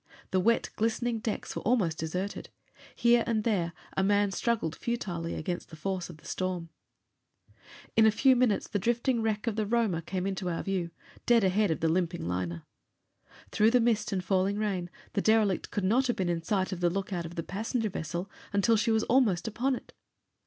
The wet, glistening decks were almost deserted. Here and there a man struggled futilely against the force of the storm. In a few minutes the drifting wreck of the Roma came into our view, dead ahead of the limping liner. Through the mist and falling rain, the derelict could not have been in sight of the lookout of the passenger vessel until she was almost upon it.